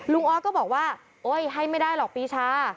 ลุงออธก็บอกว่าให้ไม่ได้หรอกปรีชา